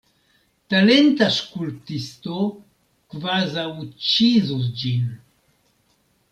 Talenta skulptisto kvazaŭ ĉizus ĝin.